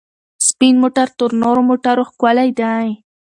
سپین موټر تر تورو موټرو ښکلی دی.